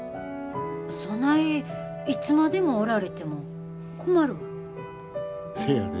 そないいつまでもおられても困るわ。